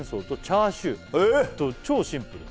「チャーシューと超シンプル」